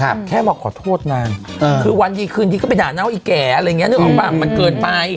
นางบอกว่าขอโทษนางคือวันดีคืนดีก็ไปด่าน้าวไอ้แก่อะไรอย่างเงี้ยนึกออกบ้างมันเกินไป